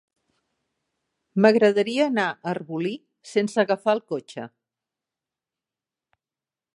M'agradaria anar a Arbolí sense agafar el cotxe.